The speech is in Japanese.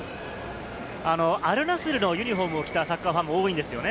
アルナスルのユニホームを着たサッカーファンも多いんですよね。